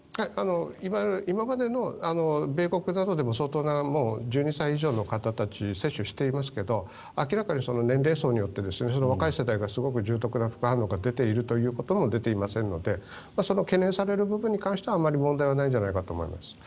今までの米国などでも相当な、１２歳以上の方たち接種していますけど明らかに年齢層によって若い世代がすごく重篤な副反応が出ているということも出ていませんのでその懸念される部分に関してはあまり問題はないんじゃないかと思います。